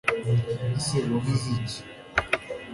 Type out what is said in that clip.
ese wavuze iki